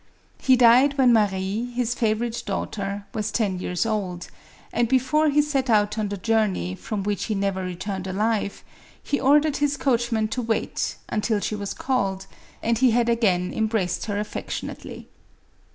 He died when Marie, his favorite daughter, was ten years old ; and before he set out on the journey from which he never returned alive, he ordered his coachman to wait, until she was called, and he had again embraced her affectionately.